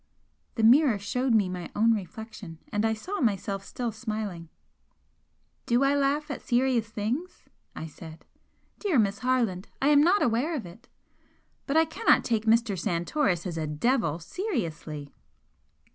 The mirror showed me my own reflection, and I saw myself still smiling. "Do I laugh at serious things?" I said. "Dear Miss Harland, I am not aware of it! But I cannot take Mr. Santoris as a 'devil' seriously!"